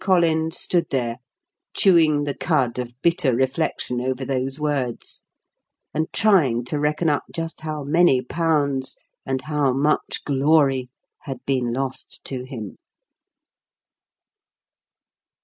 Collins stood there, chewing the cud of bitter reflection over those words, and trying to reckon up just how many pounds and how much glory had been lost to him.